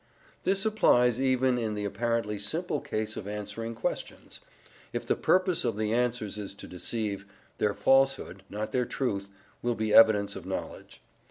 This applies even in the apparently simple case of answering questions: if the purpose of the answers is to deceive, their falsehood, not their truth, will be evidence of knowledge.